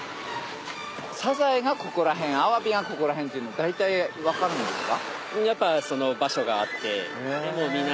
サザエがここら辺アワビがここら辺っていうの大体分かるんですか？